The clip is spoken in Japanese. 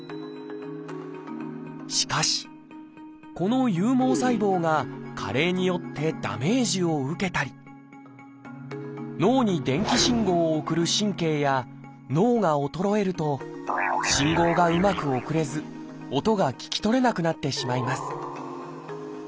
しかしこの有毛細胞が加齢によってダメージを受けたり脳に電気信号を送る神経や脳が衰えると信号がうまく送れず音が聞き取れなくなってしまいます